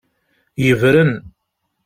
Yebren.